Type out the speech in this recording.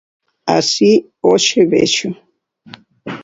Así hoxe vexo.